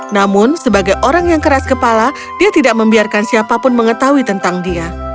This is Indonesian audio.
namun sebagai orang yang keras kepala dia tidak membiarkan siapapun mengetahui tentang dia